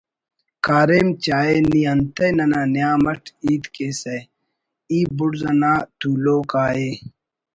کاریم چاہے نی انتئے ننا نیام اٹ ہیت کیسہ ای بڑز انا تولوک آ ءِ